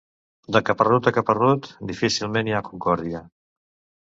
De caparrut a caparrut, difícilment hi ha concòrdia.